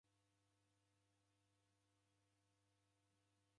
Olwa duu tu.